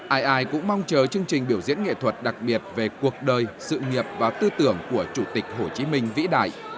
ai ai cũng mong chờ chương trình biểu diễn nghệ thuật đặc biệt về cuộc đời sự nghiệp và tư tưởng của chủ tịch hồ chí minh vĩ đại